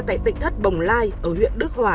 tại tỉnh thất bồng lai ở huyện đức hòa